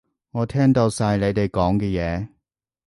我聽到晒你哋講嘅嘢